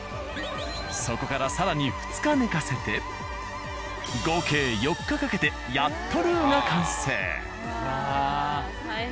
そこから更に２日寝かせて合計４日かけてやっとルーが完成。